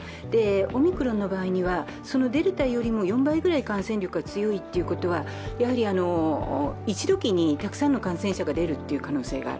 オミクロンの場合にはデルタよりも４倍ぐらい感染力が強いということは一度期にたくさんの感染者が出る可能性がある。